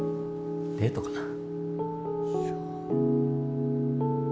デートかな？